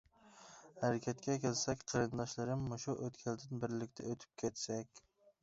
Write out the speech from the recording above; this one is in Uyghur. ھەرىكەتكە كەلسەك، قېرىنداشلىرىم، مۇشۇ ئۆتكەلدىن بىرلىكتە ئۆتۈپ كەتسەك.